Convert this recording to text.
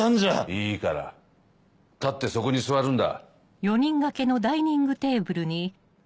いいから立ってそこに座るんだ。